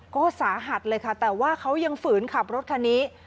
ก็สาหัสเลยค่ะแต่ว่าเขายังฝืนขับรถคันนี้